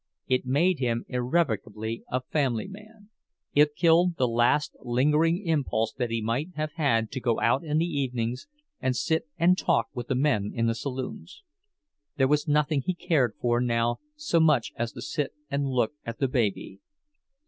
It made him irrevocably a family man; it killed the last lingering impulse that he might have had to go out in the evenings and sit and talk with the men in the saloons. There was nothing he cared for now so much as to sit and look at the baby.